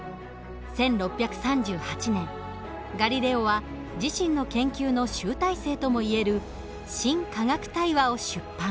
１６３８年ガリレオは自身の研究の集大成ともいえる「新科学対話」を出版。